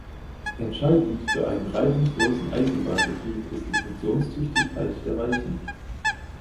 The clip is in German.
Entscheidend für einen reibungslosen Eisenbahnbetrieb ist die Funktionstüchtigkeit der Weichen.